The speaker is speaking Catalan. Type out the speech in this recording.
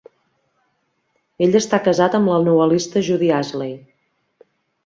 Ell està casat amb la novel·lista Judy Astley.